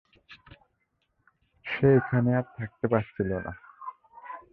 সে এখানে আর থাকতে পারছিল না।